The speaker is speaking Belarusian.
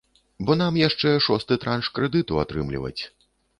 Бо нам яшчэ шосты транш крэдыту атрымліваць.